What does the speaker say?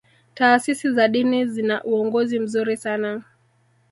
taasisi za dini zina uongozi mzuri sana